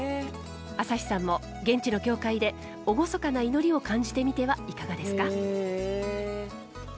朝日さんも現地の教会で厳かな祈りを感じてみてはいかがですか？